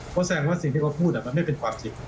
เขาแสดงว่าสิ่งที่เขาพูดมันไม่เป็นความจริง